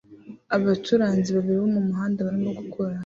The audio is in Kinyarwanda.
Abacuranzi babiri bo mumuhanda barimo gukora